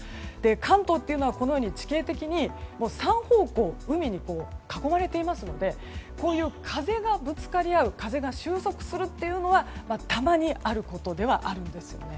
関東というのは地形的に３方向、海に囲まれていますのでこういう風がぶつかり合う風が収束するというのはたまにあることではあるんです。